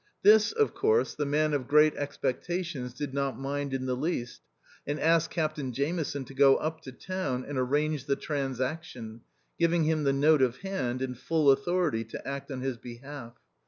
This, of course, the man of great expectations did not mind in the least, and asked Captain Jameson to go up to town and arrange the " transaction," giving him the note of hand, and full authority to act on his behalf.